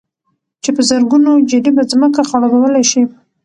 چې په زرگونو جرېبه ځمكه خړوبولى شي،